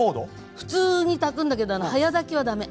普通に炊くんだけど早炊きは駄目。